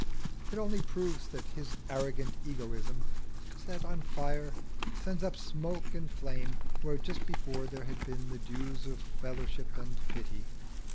It only proves that his arrogant egoism, set on fire, sends up smoke and flame where just before there had been the dews of fellowship and pity.